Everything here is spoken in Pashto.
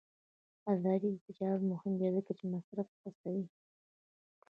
آزاد تجارت مهم دی ځکه چې مصرف هڅوي.